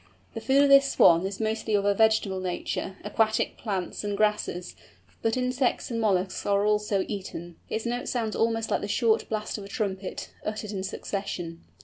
The food of this Swan is mostly of a vegetable nature, aquatic plants and grasses, but insects and molluscs are also eaten. Its note sounds almost like the short blast of a trumpet, uttered in succession.